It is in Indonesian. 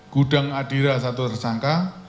gudang adira satu tersangka